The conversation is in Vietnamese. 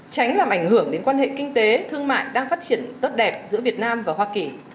tránh làm ảnh hưởng đến quan hệ kinh tế thương mại đang phát triển tốt đẹp giữa việt nam và hoa kỳ